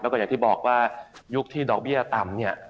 แล้วก็อย่างที่บอกว่ายุคที่ดอกเบี้ยต่ำเนี่ย